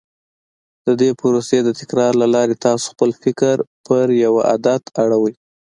د دې پروسې د تکرار له لارې تاسې خپل فکر پر يوه عادت اړوئ.